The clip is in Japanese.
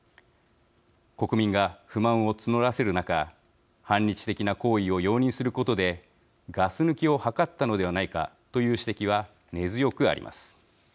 国民が不満を募らせる中反日的な行為を容認することでガス抜きを図ったのではないかという指摘は根強くあります。